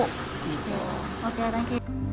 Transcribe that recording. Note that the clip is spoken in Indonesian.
oke terima kasih